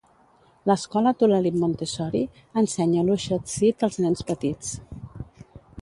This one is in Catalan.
L'escola Tulalip Montessori ensenya Lushootseed als nens petits.